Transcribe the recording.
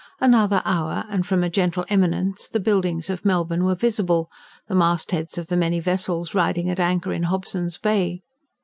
Another hour, and from a gentle eminence the buildings of Melbourne were visible, the mastheads of the many vessels riding at anchor in Hobson's Bay.